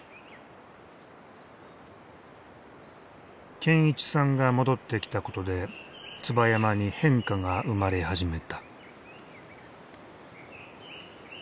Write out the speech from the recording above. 健一さんが戻ってきたことで椿山に変化が生まれ始めた。